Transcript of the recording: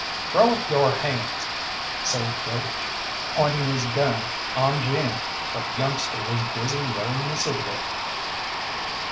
"Throw up your hands!" says Broach, pointing his gun on Jim, but the youngster was busy rolling a cigarette.